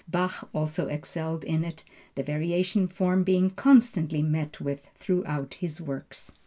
Bach also excelled in it, the Variation form being constantly met with throughout his works.